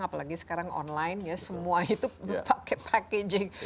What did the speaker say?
apalagi sekarang online ya semua itu pakai packaging